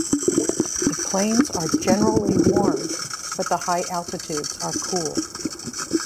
The plains are generally warm but the higher altitudes are cool.